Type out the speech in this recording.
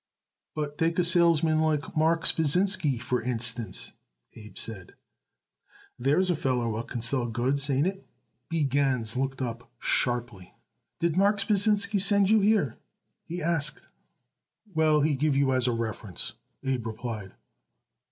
"But take a salesman like Marks Pasinsky, for instance," Abe said. "There's a feller what can sell goods. Ain't it?" B. Gans looked up sharply. "Did Marks Pasinsky send you here?" he asked. "Well, he give you as a reference," Abe replied.